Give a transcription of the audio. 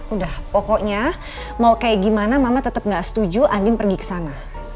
udah pokoknya mau kayak gimana mama tetep gak setuju andi pergi ke sana